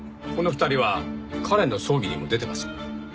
この２人は彼の葬儀にも出てますよ。